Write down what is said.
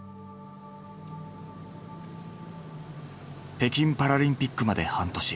北京パラリンピックまで半年。